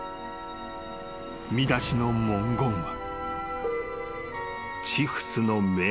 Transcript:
［見出しの文言は］